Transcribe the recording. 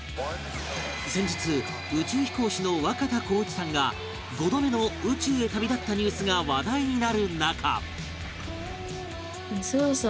先日宇宙飛行士の若田光一さんが５度目の宇宙へ旅立ったニュースが話題になる中